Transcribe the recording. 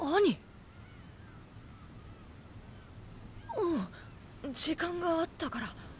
うん時間があったから。